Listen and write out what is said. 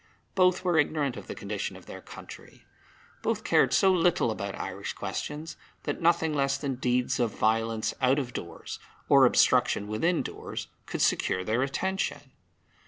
Both were ignorant of the condition of their country. Both cared so little about Irish questions that nothing less than deeds of violence out of doors or obstruction within doors could secure their attention.